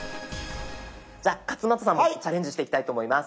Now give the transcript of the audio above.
じゃあ勝俣さんもチャレンジしていきたいと思います。